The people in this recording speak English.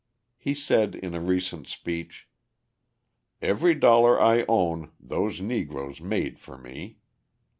He said in a recent speech: "Every dollar I own those Negroes made for me.